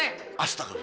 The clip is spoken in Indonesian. astaga berapa lajim